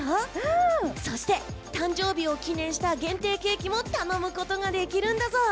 そして、誕生日を記念した限定ケーキも頼むことができるんだぞ！